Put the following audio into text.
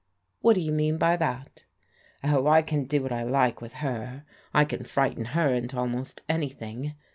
" What do you mean by that? "" Oh, I can do what I like with her. I can frighten her into almost anything.